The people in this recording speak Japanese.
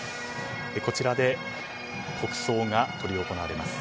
こちらで国葬が執り行われます。